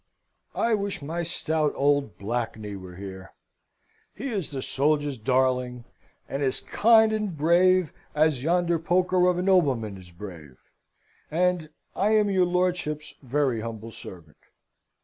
I wish my stout old Blakeney were here; he is the soldier's darling, and as kind and brave as yonder poker of a nobleman is brave and I am your lordship's very humble servant.